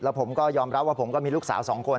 ผมก็ยอมรับว่าผมก็มีลูกสาว๒คน